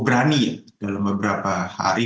berani dalam beberapa hari